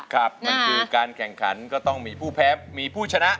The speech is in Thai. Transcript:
ครับมันคือการแข่งขันก็ต้องมีผู้แพ้มีผู้ชนะ